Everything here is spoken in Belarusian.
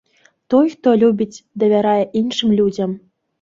Той, хто любіць, давярае іншым людзям.